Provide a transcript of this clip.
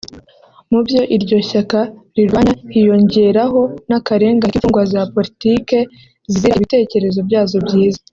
Mu byo iryo shyaka rirwanya hiyongeraho n’akarengane k’imfungwa za politike zizira ibitekerezo byazo byiza